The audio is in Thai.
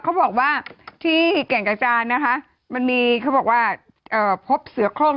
อ๋อเขาบอกว่าที่แก่จานนะคะมันมีเขาบอกว่าเอ่อพบเสือโครง